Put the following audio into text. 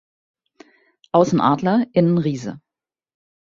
Außen Adler, innen Riese.